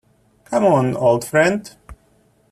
Come on, old friend.